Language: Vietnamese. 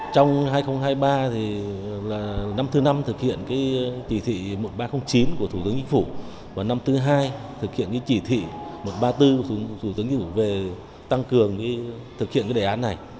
trong hai nghìn hai mươi ba thì là năm thứ năm thực hiện chỉ thị một nghìn ba trăm linh chín của thủ tướng chính phủ và năm thứ hai thực hiện chỉ thị một trăm ba mươi bốn của thủ tướng chính phủ về tăng cường thực hiện đề án này